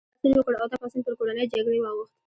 دوی پاڅون وکړ او دا پاڅون پر کورنۍ جګړې واوښت.